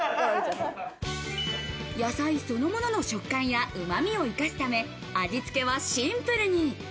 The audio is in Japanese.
野菜そのものの食感やうまみを生かすため、味つけはシンプルに。